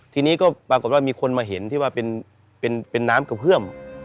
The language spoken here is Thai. ทีนี้ก็ปรากฏว่ามีคนมาเห็นที่ว่าเป็นน้ำกระเพื่อม